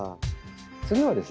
次はですね。